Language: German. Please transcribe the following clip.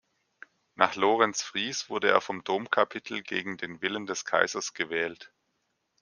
Nach Lorenz Fries wurde er vom Domkapitel gegen den Willen des Kaisers gewählt.